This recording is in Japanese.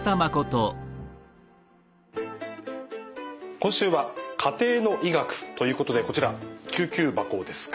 今週は「家庭の医学」ということでこちら救急箱ですか。